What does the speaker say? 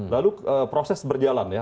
lalu proses berjalan ya